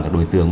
các đối tượng